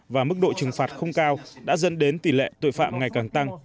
và mức độ trừng phạt không cao đã dân đến tỷ lệ tội phạm ngày càng tăng